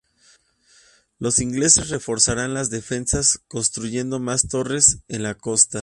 Los ingleses reforzaron las defensas construyendo más torres en la costa.